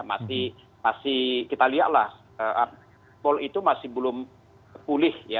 masih kita lihat lah mal itu masih belum pulih ya